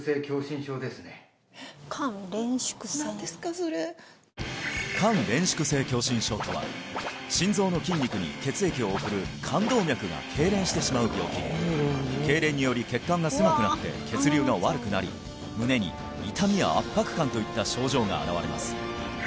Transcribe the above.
それ冠れん縮性狭心症とは心臓の筋肉に血液を送る冠動脈がけいれんしてしまう病気けいれんにより血管が狭くなって血流が悪くなり胸に痛みや圧迫感といった症状が現れます